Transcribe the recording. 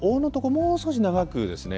もう少し長くですね。